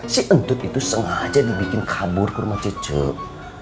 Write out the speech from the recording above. si entut itu sengaja dibikin kabur ke rumah cucuk